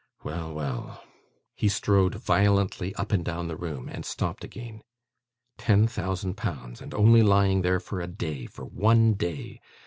Well, well!' He strode violently up and down the room and stopped again. 'Ten thousand pounds! And only lying there for a day for one day!